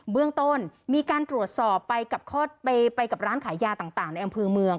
เบื้องต้นมีการตรวจสอบไปกับร้านขายยาต่างในอำเภอเมือง